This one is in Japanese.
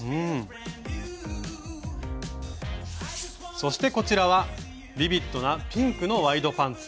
そしてこちらはビビッドなピンクのワイドパンツ。